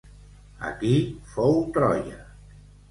Aquí fou Troia.